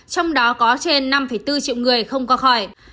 trong đó có trên năm bốn triệu người không qua khỏi